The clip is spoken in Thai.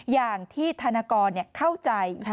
อย่างที่ธนกรเข้าใจ